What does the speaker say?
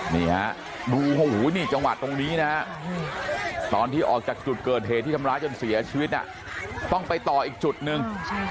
นี่ฮะดูโอ้โหนี่จังหวัดตรงนี้นะฮะตอนที่ออกจากจุดเกิดเหตุที่ทำร้ายจนเสียชีวิตต้องไปต่ออีกจุดหนึ่ง